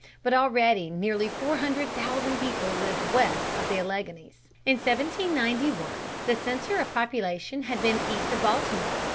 But already nearly four hundred thousand people lived west of the Alleghanies. In 1791 the centre of population had been east of Baltimore.